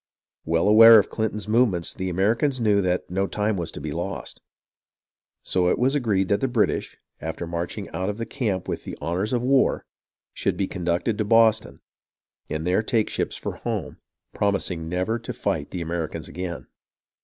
Well aware of Clinton's movements, the Americans knew that no time was to be lost, so it was agreed that the British, after marching out of the camp with the honours of war, should be conducted to Boston, and there take ships for home, promising never to fight the Americans again.